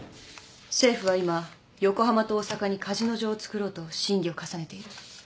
政府は今横浜と大阪にカジノ場をつくろうと審議を重ねている。